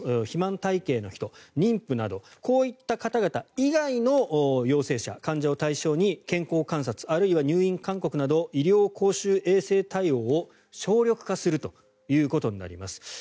肥満体形の人妊婦などこういった方々以外の陽性者患者を対象に健康観察あるいは入院勧告など医療公衆衛生対応を省力化するということになります。